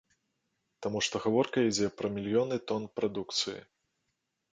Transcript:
Таму што гаворка ідзе пра мільёны тон прадукцыі.